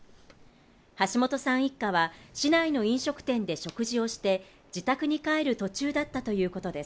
橋本さん一家は市内の飲食店で食事をして自宅に帰る途中だったということです。